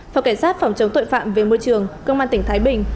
phòng cảnh sát phòng chống tội phạm về môi trường công an tỉnh thái bình